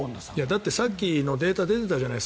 だってさっきのデータ出てたじゃない。